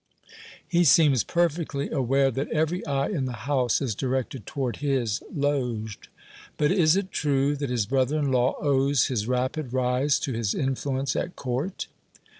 "He seems perfectly aware that every eye in the house is directed toward his loge. But is it true that his brother in law owes his rapid rise to his influence at Court?"